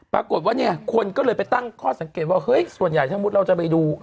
ปรากฏว่าเนี่ยคนก็เลยไปตั้งข้อสังเกตว่าเฮ้ยส่วนใหญ่ถ้ามุติเราจะไปดู